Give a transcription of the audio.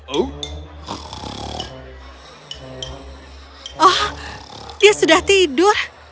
oh dia sudah tidur